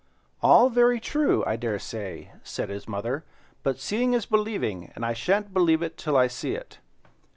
"All very true, I dare say," said his mother, "but seeing is believing, and I shan't believe it till I see it."